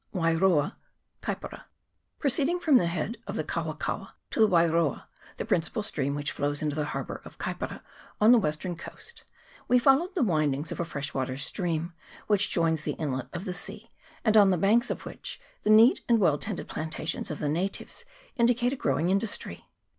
Wairoa, Kaipara. PROCEEDING from the head of the Kaua kaua to the Wairoa, the principal stream which flows into the harbour of Kaipara on the western coast, we follow the windings of a fresh water stream, which joins the inlet of the sea, and on the banks of which the neat and well tended plantations of the natives indicate a growing industry.